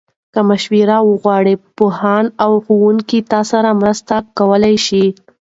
که مشوره وغواړې، پوهان او ښوونکي ستا مرسته کولای شي.